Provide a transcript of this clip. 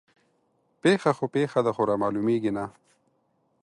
پيښه خو پيښه ده خو رامعلومېږي نه